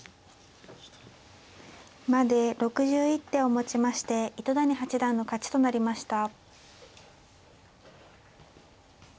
１２。まで６１手をもちまして糸谷八段の勝ちとなりました。